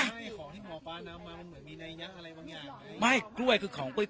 กล้วยของไม่เหมือนมีนายะ